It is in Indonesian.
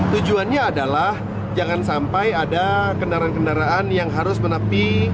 tujuannya adalah jangan sampai ada kendaraan kendaraan yang harus menepi